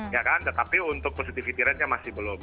ya kan tetapi untuk positivity ratenya masih belum